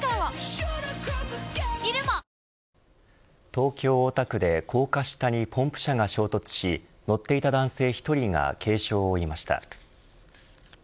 東京、大田区で高架下にポンプ車が衝突し乗っていた男性１人が軽傷を負いました。